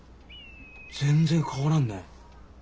全然変わらんね。